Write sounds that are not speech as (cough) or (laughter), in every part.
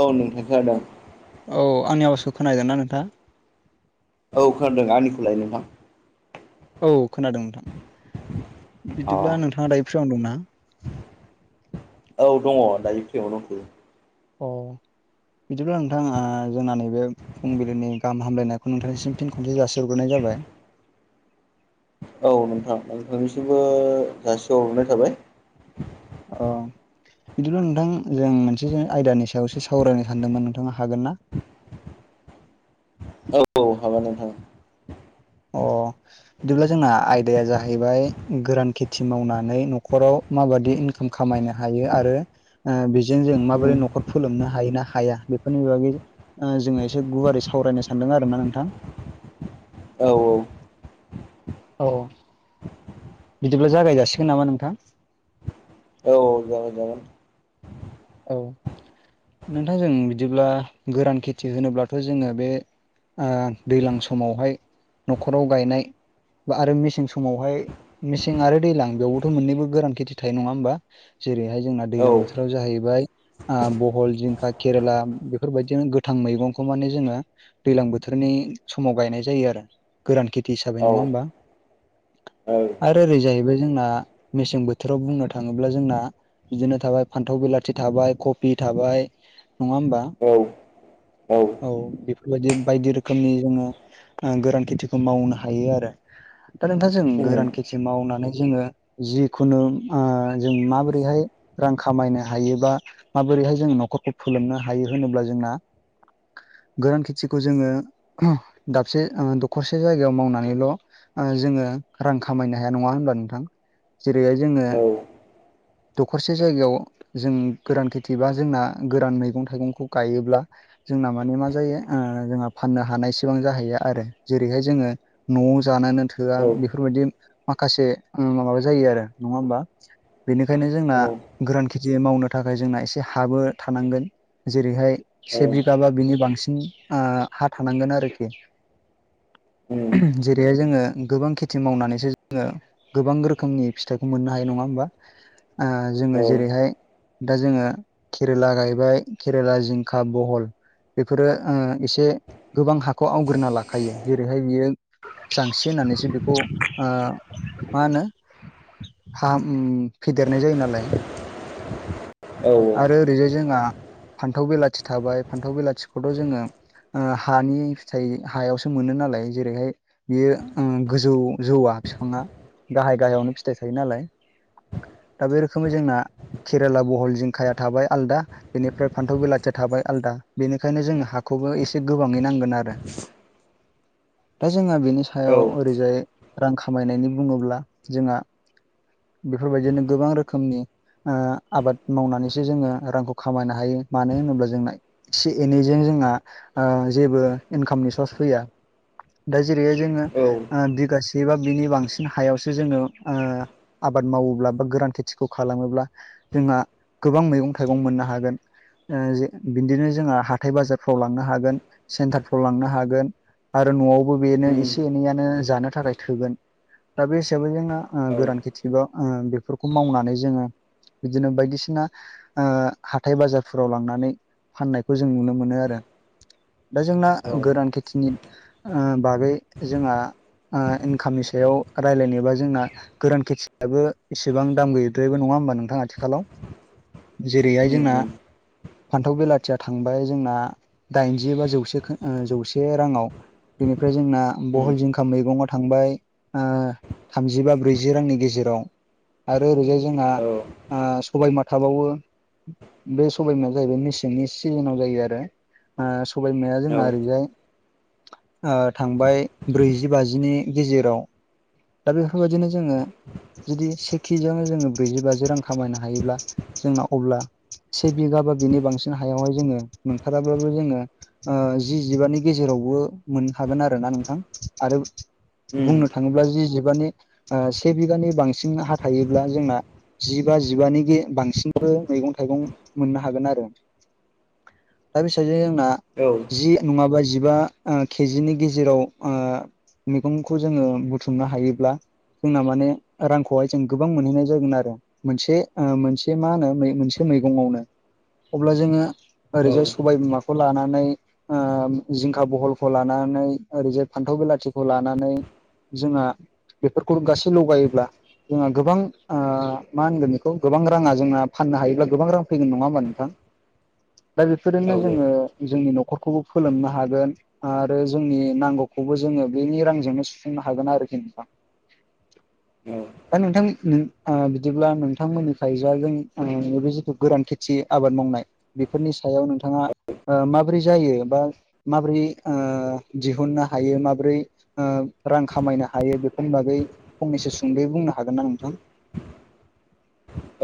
औ नोंथांखौनादों औ आंनि आवाजखौ खोनाहैदोंना नोंथां औ खोनदों आंनिखौलाय नोंथां औ खोनादों नोंथां अ बिदिब्ला नोंथाङा दायो फाव दंना औ दङ दायो फ्रिमाव दंथयो' अ बिदिब्ला नोंथाङा जोंना नैबे फुंबिलिनि गाहामलायनायखौ नोंथांनिसिम फिन खनसे जासिग्रोनाय जाबाय औ नोंथां नोंथांनिसिमबो जासिहरनाय थाबाय। ओं बिदिल' नोंथां जों मोनसे आयदानि सायावसो सावरायनो सानदोंमोन नोंथाङा हागोन ना? औ औ हागोन नोंथां अ बिदिब्ला जोंना आयदाया जाहैबाय गोरान खेथि मावनानै न'खराव माबादि इनकाम खामायनो हायो आरो बेजों जों उम माबोरै न'खर फोलोमनो हायो ना हाया बेफोरनि बागै। ओ जोंङो एसे गुवारै सावरायनो सानदों आरो ना नोंथां औ औ औ बिदिब्ला जागाय जासिगोन नामा नोंथां औ जागाय जागोन। औ नोंथां जों बिदिब्ला गोरान खेथि होनोब्लाथ' जोंङो बे ओ दैज्लां समावहाय न'खराव गायनाय बा आरो मेसें समावहाय मेसें आरो दैज्लां बेयावबोथ' मोननैबो गोरान खेथि थायो नंङा होमबा जेरैहाय जोंना औ दैलां बोथोराव जायो आ बहल, जिंखा, केरेला, बेफोरबायदिनो गोथां मैगंखौ माने जोंङो दैलां बोथोरनि समाव गायनाय जायो आरो गोरान खेथि हिसाबै औ नंअंङा होमबा आरो ओरैजायबो जोंना मेसें बोथोराव बुंनो थांङोब्ला जोंना बिदिनो थाबाय फान्थाव बिलाथि थाबाय कफि थाबाय नंङा होमबा औ औ औ बेफोरबायदि बायदि रोखोमनि जोंङो गोरान खेथिखौ मावनो हायो आरो। दा नोंथाङा जों उम गोरान खेथि मावनानै जोंङो। जिखुनु ओ जों माबोरैहाय रां खामायनो हायो बा माबोरैहाय जों न'खरखौ फोलोमनो हायो होनोब्ला जोंना गोरान खेथिखौ जोंङो दाबसे दखरसे जायगायाव मावनानैल' जोंङो रां खामायनो हाया नङा होनबा नोंथां जेरैहाय जोंङो औ दखरसे जायगायाव जों गोरान खेथि बा जोंना गोरान मैगं थाइगंखौ गायोब्ला। जोंना माने मा जायो ओ जोंहा फाननो हानायसिबां जाहैयो आरो जेरैहाय जोंङो। न'आव जानोनो थोआ औ बेफोरबायदि माखासे माबा जायो आरो नंङा होमबा बेनिखायनो जोंना औ उम औ गोरान खेथि मावनो थाखाय जोंना एसे हाबो थानांगोन जेरैहाय सेबिगा बा बिनि बांसिन हा थानांगोन आरोखि जेरैहाय जोंङो गोबां खेथि मावनानैसो जोंङो। गोबां रोखोमनि फिथाइखौ मोननो हायो नंङा होमबा ओ जोंङो जेरैहाय दा जोंङो केरेला गायबाय केरेला, जिंखा, बहल बेफोरो ओ एसे गोबां हाखौ आवग्रिना लाखायो जेरैहाय बियो जांसि होननानैसो बेखौ ओ मा होनो हा उम फेदेरनाय जायो नालाय आरो ओरैजाय जोंहा फान्थाव बिलाथि थाबाय फान्थाव बिलाथिखौथ' जोंङो। ओ हानि फिथाइ हायावसो मोनो नालाय जेरैहाय बियो ओ गोजौ जौवआ बिफाङा गाहाय गाहायावनो फिथाइ थायो नालाय दा बे रोखोमै जोंना केरेला बहल जिंखाया थाबाय आलदा बेनिफ्राय फान्थाव बेलाथिया थाबाय आलदा बेनिखायनो जोंङो हाखौबो एसे गोबांङै नांगोन। दा जोंना बेनि सायाव औ ओरैजाय। रां खामायनायनि बुंङोब्ला जोंहा बेफोरबायदिनो गोबां रोखोमनि ओ आबाद मावनानैसो जोंङो रांखौ खामायनो हायो मानो होनोब्ला जोंना एसे एनैजों जोंहा ओ जेबो इनकामनि सर्स फैया दा जेरैहाय जोंङो औ बिगासे बा बिनि बांसिन हायावसो जोंङो ओ आबाद मावोब्ला बा गोरान खेथिखौ खालामोब्ला जोंहा गोबां मैगं थाइगं मोननो हागोन। ओ बिदिनो जोंहा हाथाय बाजारफ्राव लांनो हागोन सेन्टारफ्राव लांनो हागोन। आरो न'आव बबेनो उम एसे एनैयनो जानो थाखाय थोगोन दा बे हिसाबै जोंना औ गोरान जुगाव ओ बेफोरखौ मावनानै जोंङो बिदिनो बायदिसिना ओ हाथाय बाजारफोराव लांनानै फाननायखौ जों नुनो मोनो आरो। दा जोंना औ गोरान खेथिनि ओ बागै जोंहा ओ इनकामनि सायाव रायलायनोबा जोंना गोरान खेथि दाबो एसेबां दाम गैद्रायैबो नङा होमबा नोंथां आथिखालाव। जेरैहाय उम जोंना उम फान्थाव बेलाथिया थांबाय जोंना दाइनजि बा जौसे खो ओ जौसे राङाव बेनिफ्राय जोंना उम बहल, जिंखा मैगङा थांबाय ओ थामजि बा ब्रैजि रांनि गेजेराव आरो ओरैजाय जोंना औ ओ सबायबिमा थाबावो। बे सबायबिमाया जाहैबाय मेसेंनि सिजोनाव जायो आरो। ओ सबायबिमाया जोंना ओरैजाय ओ थांबाय ब्रैजि बाजिनि गेजेराव दा बेफोरबायदिनो जोङो जुदि से केजियावनो जोङो ब्रैजि बाजि रां खामायनो हायोब्ला, जोंना अब्ला से बिगा बा बिनि बांसिन हायावहाय जोङो मोनथाराबाबो जोङो ओ जि जिबानि गेजेरावबो मोनहैखागोन आरो ना नोंथां। आरो उम बुंनो थाङोब्ला जि जिबानि ओ से बिगानि बांसिन हा थायोब्ला जोंना जिबा जिबानिखि बांसिनबो मैगं थाइगं मोननो हागोन आरो। दा बिसिबां जायो जोंना? औ। जि नङाबा जिबा ओ केजिनि गेजेराव ओ मैगंखौ जोङो बुथुमनो हायोब्ला जोंना माने रांखौहाय जों गोबां मोनहैनाय जागोन आरो। मोनसे ओ मोनसे मा होनो मोनसे मैगंआवनो अब्ला जोङो ओरैजाय सबायबिमाखौ लानानै ओ जिंखा, बहलखौ लानानै ओरैजाय फान्थाव बिलाथिखौ लानानै जोंहा खुर गासेल' गायोब्ला जोंहा गोबां ओ मा होनगोन बेखौ गोबां राङा जोंना फाननो हायोब्ला गोबां रां फैगोन नङा होमबा नोंथां? दा औ बेफोरजोंनो जोङो जोंनि न'खरखौबो फोलोमनो हागोन। आरो जोंनि नांगौखौबो जोङो बेनि रांजोंनो सुफुंनो हागोन आरोखि नोंथां। औ दा नोंथां नि ओ बिदिब्ला नोंथांमोननिखैजा जों (unintelligible) नैबे जिथु गोरान खेथि आबाद मावनाय बेफोरनि सायाव नोंथाङा ओ माबोरै जायो बा माबोरै ओ दिहुननो हायो माबोरै ओ रां खामायनो हायो बेफोरनि बागै फंनैसो सुंद'यै बुंनो हागोन ना नोंथां?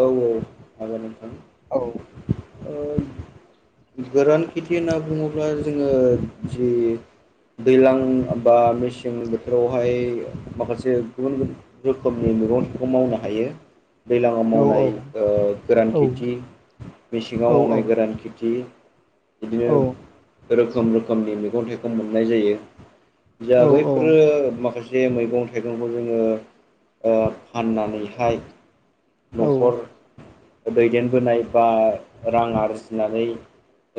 औ औ हागोन नोंथां। औ ओ गोरान खेथि होनना बुङोब्ला जोङो जि दैलां बा मेसें बोथोरावहाय माखासे गुबुन गुबुन रोखोमनि मैगंफोरखौ मावनो हायो। दैज्लाङाव औ मावनाय ओ गोरान औ खेथि मेसेङाव औ मावनाय गोरान खेथि औ बिदिनो रोखोम रोखोमनि मैगं थाइगं मोननाय जायो। जोहा औ बैफोर फोर माखासे मैगं थाइगंखौ जोङो ओ फाननानैहाय औ न'खर दैदेनबोनाय बा रां आरजिनानै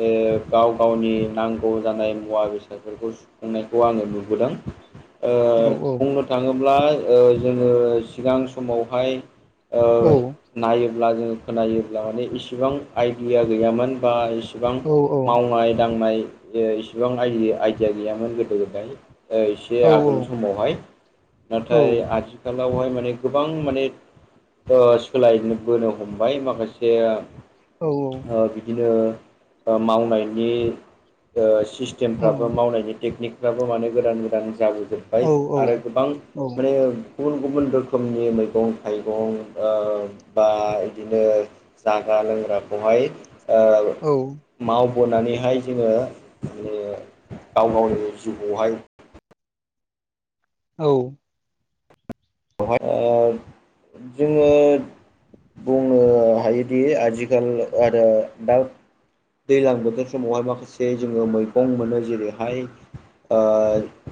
ओ गाव गावनि नांगौ जानाय मुवा बेसादफोरखौ सुफुंनायखौ आङो नुबोदों। ओ बुंनो थाङोब्ला ओ जोङो सिगां समावहाय ओ औ नायोब्ला जोङो खोनायोब्ला माने इसिबां आइडिया गैयामोन बा इसेबां औ औ मावनाय दांनाय ओ इसिबां आइ-आइदिया गैयामोन गोदो गोदाय। ओ एसे औ आगोल समावहाय। औ नाथाय आथिखालावहाय माने गोबां माने ओ सोलायनोबोनो हमबाय माखासे औ ओ बिदिनो ओ मावनायनि ओ औ सिस्टेमफ्राबो मावनायनि टेकनिक फ्राबो माने गोदान गोदान औ जाबोजोबबाय आरो गोबां औ माने गुबुन गुबुन रोखोमनि मैगं-थाइगं ओ बा बिदिनो जाग्रा लोंग्राखौहाय ओ औ मावबोनानैहाय जोङो माने गाव गावनि जिउआवहाय औ। बहाय ओ जोङो बुंनो हायोदि आजिखाल आरो दा दैज्लां बोथोर समावहाय माखासे जोङो मैगं मोनो जेरैहाय ओ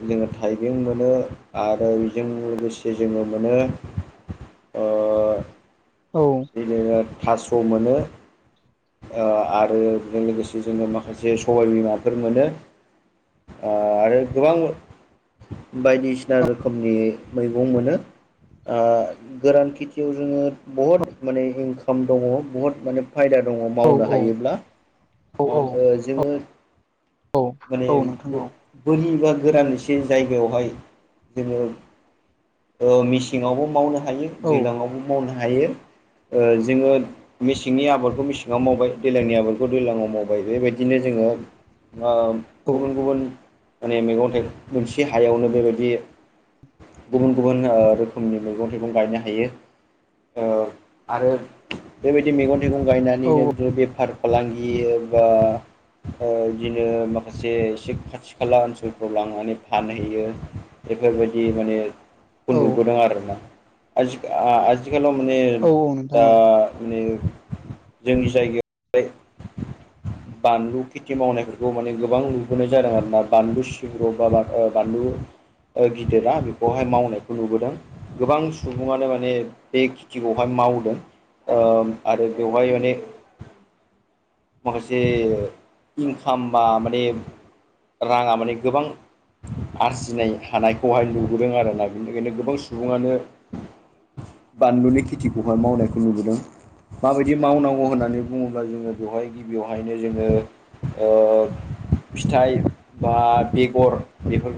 जोङो थाइबें मोनो आरो बेजों लोगोसे जे जोङो मोनो ओ औ। बिदिनो थास' मोनो। ओ आरो बेजों लोगोसे जोङो माखासे सबाय बिमाफोर मोनो आरो गोबां बायदिसिना रोखोमनि मैगं मोनो ओ गोरान खेथियाव जोङो बहुत माने इनकाम दङ बुहुत माने फायदा दं दङ मावनो हायोब्ला औ जोङो औ माने औ नोंथां औ बोरि बा गोरान एसे जायगायावहाय जोङो मेसेङावबो मावनो हायो। औ दैलांवबो मावनो हायो जोङो मेसेंनि आबादखौ मेसें ना मावबाय दैज्लांनि आबादखौ दैज्लाङाव मावबाय बेबायदिनो जोङो ओ औ गुबुन गुबुन माने मैगं थाइगं मोनसे हायावनो बेबायदि गुबुन गुबुन रोखोमनि मैगं-थाइगं गायनो हायो। ओ आरो बेबायदि मैगं थाइगं औ गायनानैनो बिदिनो बेफार फालांगि ओ ओ बिदिनो माखासे एसे खाथि खाला ओनसोलफ्राव लांनानै फानहैयो। बेफोरबायदि मानेखौ औ नुबोदों आरोना आथिखालाव माने औ नोंथां दा औ माने जोंनि जायगायाव बानलु खेथि मावनायफोरखौ माने गोबां नुबोनाय जादों आरोना बानलु सिब्र' बा बानलु गिदिरा बेखौहाय मावनायखौ नुबोदों। गोबां सुबुङानो माने बे खेथिखौहाय मावदों। ओ आरो बेवहाय माने (inaudible) माखासे इनकाम बा माने राङा माने गोबां आरजिनाय हानायखौहाय नुबोदों आरोना बेनिखायनो गोबां सुबुङानो बानलुनि खेथिखौहाय मावनायखौ नुबोदों माबायदि मावनांगौ सम होननानै बुङोब्ला जोङो बेवहाय गिबियावहायनो जोङो फिथाइ बा बेगर बेफोर